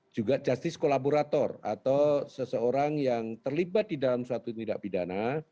juga justice kolaborator atau seseorang yang terlibat di dalam suatu tindak pidana